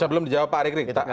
sebelum dijawab pak rik rik